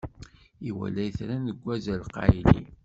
Iwala itran deg uzal qayli.